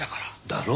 だろ？